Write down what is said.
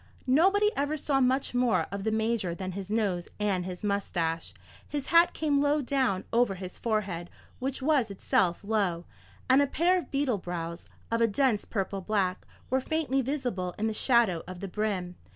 Nobody ever saw much more of the Major than his nose and his moustache. His hat came low down over his forehead, which was itself low, and a pair of beetle brows, of a dense purple black, were faintly visible in the shadow of the brim.